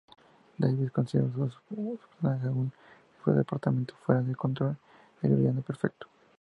Davies consideró su personaje, "un jefe de departamento fuera de control", el villano perfecto.